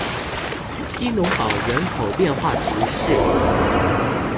希农堡人口变化图示